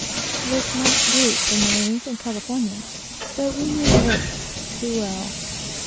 This might do for marines and Californians, but we knew the ropes too well.